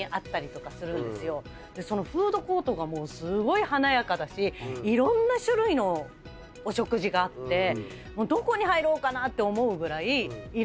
そのフードコートがもうすごい華やかだしいろんな種類のお食事があってどこに入ろうかな⁉と思うぐらいいろんなお店があるんです。